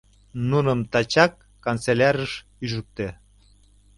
Нуным тачак канцелярыш ӱжыктӧ.